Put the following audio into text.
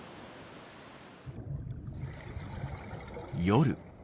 夜。